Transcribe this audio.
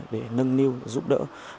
để nâng niu giúp đỡ